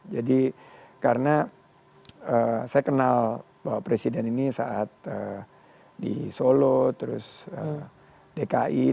jadi karena saya kenal pak presiden ini saat di solo terus dki dan sekarang menjadi pimpinan